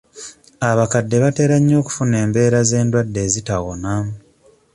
Abakadde batera nnyo okufuna embeera z'endwadde ezitawona.